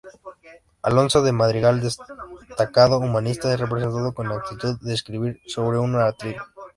Alonso de Madrigal, destacado humanista, es representado en actitud de escribir sobre un atril.